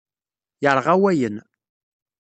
Yeṛɣa wayen.